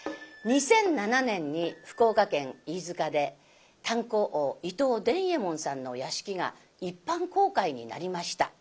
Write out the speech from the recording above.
２００７年に福岡県飯塚で炭鉱王伊藤伝右衛門さんの屋敷が一般公開になりました。